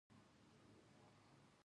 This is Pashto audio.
سلیمان غر د افغانستان د بڼوالۍ برخه ده.